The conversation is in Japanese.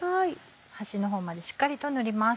端の方までしっかりと塗ります。